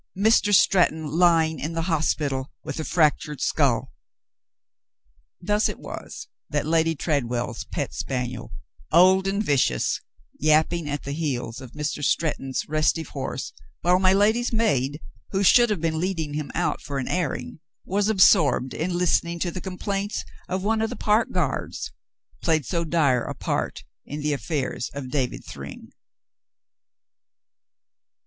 Mr. Stretton lying in the hospital with a fractured skull." Thus it was that Lady Tredwell's pet spaniel, old and vi cious, yapping at the heels of Mr. Stretton's restive horse, while my lady's maid — who should have been leading him out for an airing — was absorbed in listening to the compliments of one of the park guards, played so dire a part in the affairs of David Thryng.